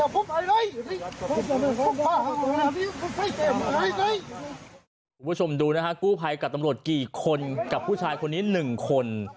คุณผู้ชมดูนะฮะกู้ภัยกับตำรวจกี่คนกับผู้ชายคนนี้๑คน